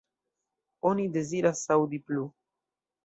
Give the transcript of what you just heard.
Oni deziras aŭdi plu.